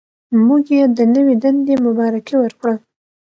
موږ یې د نوې دندې مبارکي ورکړه.